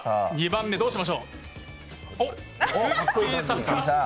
２番目どうしましょう。